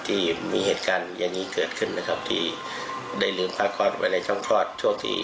ที่มีเหตุการณ์อย่างงี้เกิดขึ้นที่ได้เรื่องพกศภาคอร์ดเวลาที่ข้องโขลาด